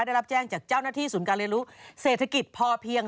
ได้รับแจ้งจากเจ้าหน้าที่ศูนย์การเรียนรู้เศรษฐกิจพอเพียง